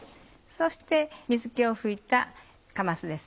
そして水気を拭いたかますです。